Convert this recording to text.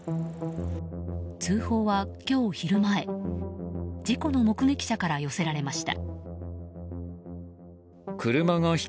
通報は今日昼前事故の目撃者から寄せられました。